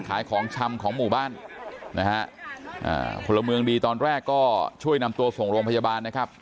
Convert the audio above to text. ของชำของหมู่บ้านนะฮะอ่าพลเมืองดีตอนแรกก็ช่วยนำตัวส่งโรงพยาบาลนะครับ